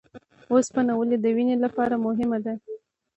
اوسپنه ولې د وینې لپاره مهمه ده؟